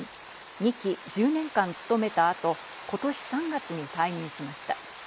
２期１０年間務めた後、ことし３月に退任しました。